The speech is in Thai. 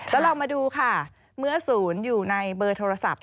แล้วเรามาดูค่ะเมื่อศูนย์อยู่ในเบอร์โทรศัพท์